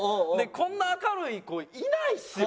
こんな明るい子いないっすよ。